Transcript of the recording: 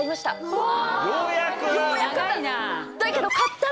うわ！